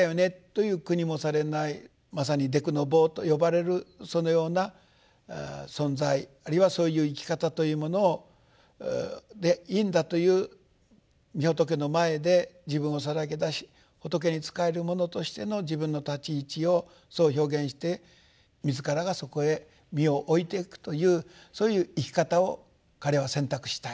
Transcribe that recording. まさに「デクノボー」と呼ばれるそのような存在あるいはそういう生き方というものでいいんだというみ仏の前で自分をさらけ出し仏に仕える者としての自分の立ち位置をそう表現して自らがそこへ身を置いていくというそういう生き方を彼は選択したいと。